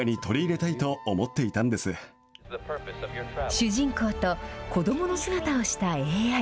主人公と、子どもの姿をしたＡＩ。